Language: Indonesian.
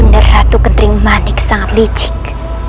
peneratu ketering manik sangat licik